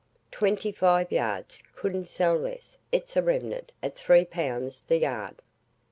"Twenty five yards couldn't sell less, it's a remnant at three pounds the yard."